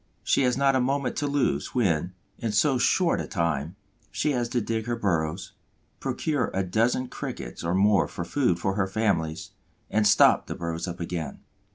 She has not a moment to lose, when, in so short a time, she has to dig her burrows, procure a dozen Crickets or more for food for her families, and stop the burrows up again.